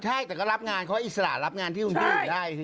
ใช่แต่ก็รับงานเขาอิสระรับงานที่คุณพี่อยู่ได้สิ